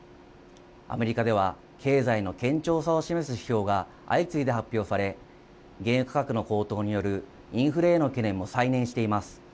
アメリカでは経済の堅調さを示す指標が相次いで発表され原油価格の高騰によるインフレへの懸念も再燃しています。